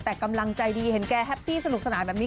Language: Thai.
แต่กำลังใจดีเห็นแกแฮปปี้สนุกสนานแบบนี้